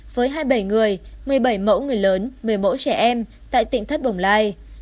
với hai mươi bảy người một mươi bảy mẫu người lớn một mươi mẫu trẻ em tại tỉnh thất bồng lai